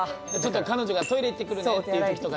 彼女が「トイレ行ってくるね」っていう時とかに。